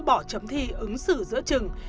bỏ chấm thi ứng xử giữa trừng